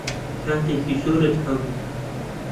کاتێکی زۆرت هەبوو.